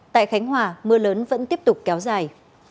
tại khánh hòa mưa lớn vẫn tiếp tục kéo dài